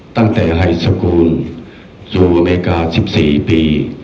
ตั้งแต่ไฮสกูลสู่อเมริกา๑๔ปี